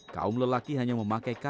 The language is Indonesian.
kaum lelaki hanya memakai k geral